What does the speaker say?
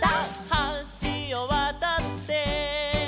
「はしをわたって」